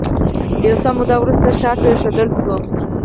یو څه موده وروسته ښار پرېښودل شو.